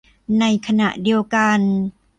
ในขณะเดียวกัน